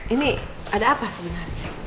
ini ada apa sebenarnya